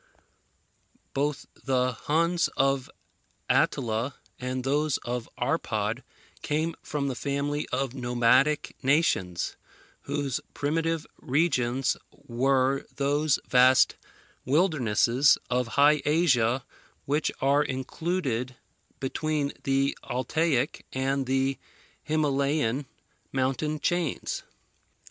Both the Huns of Attila and those of Arpad came from the family of nomadic nations, whose primitive regions were those vast wildernesses of High Asia which are included between the Altaic and the Himalayan mountain chains.